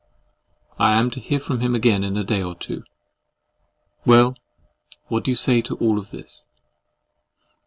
I am to hear from him again in a day or two.—Well, what do you say to all this?